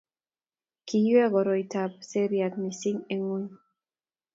kiywei koroitab serian mising' eng' ng'ony.